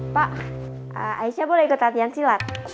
pak aisyah boleh ikut latihan silat